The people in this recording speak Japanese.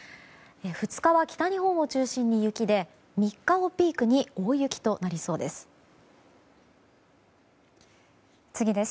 ２日は北日本を中心に雪で３日をピークに大雪となりそうです。